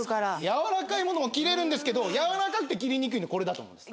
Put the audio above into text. やわらかいものも切れるんですけどやわらかくて切りにくいのこれだと思うんです。